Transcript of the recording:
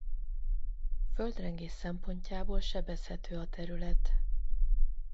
Földrengés szempontjából sebezhető a terület.